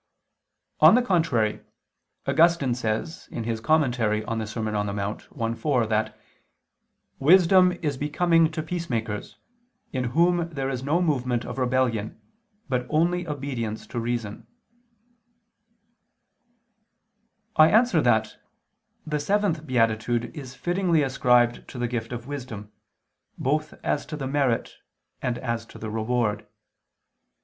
On the contrary, Augustine says (De Serm. Dom. in Monte i, 4) that "wisdom is becoming to peacemakers, in whom there is no movement of rebellion, but only obedience to reason." I answer that, The seventh beatitude is fittingly ascribed to the gift of wisdom, both as to the merit and as to the reward.